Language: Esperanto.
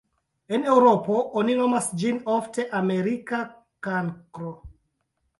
En Eŭropo oni nomas ĝin ofte "Amerika kankro".